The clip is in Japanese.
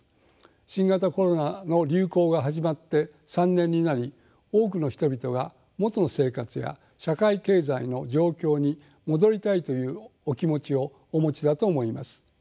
新型コロナの流行が始まって３年になり多くの人々が元の生活や社会経済の状況に戻りたいというお気持ちをお持ちだと思います。